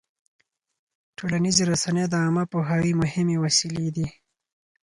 ټولنیزې رسنۍ د عامه پوهاوي مهمې وسیلې دي.